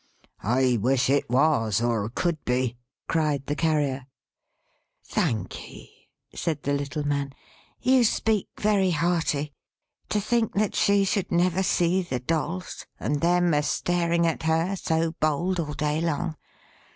"I wish it was, or could be!" cried the Carrier. "Thankee," said the little man. "You speak very hearty. To think that she should never see the Dolls; and them a staring at her, so bold, all day long!